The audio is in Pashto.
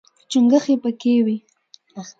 چونګښې پکې وي.